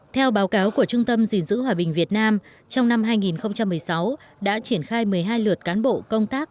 theo báo cáo của trung tâm gìn giữ hòa bình việt nam trong năm hai nghìn một mươi sáu đã triển khai một mươi hai lượt cán bộ công tác